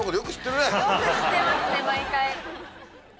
よく知ってますね毎回。